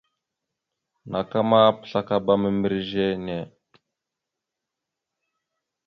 Naka ma, pəslakala membirez a ne.